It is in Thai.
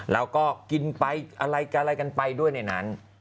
แล้วก็กินไปอะไรกันไปด้วยในนั้น